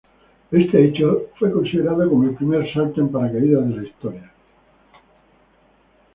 Este hecho fue considerado como el primer salto en paracaídas de la historia.